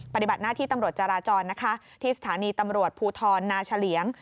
ปฏิบัติหน้าที่ตำรวจจราจรนะคะที่สถานีตำรวจภูทรนาเฉลี่ยง